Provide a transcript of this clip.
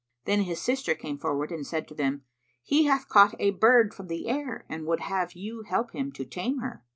Then his sister came forward and said to them, "He hath caught a bird from the air and would have you help him to tame her."